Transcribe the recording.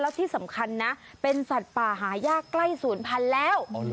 แล้วที่สำคัญนะเป็นสัตว์ป่าหายากใกล้ศูนย์พันธุ์แล้ว